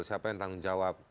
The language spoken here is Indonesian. siapa yang tanggung jawab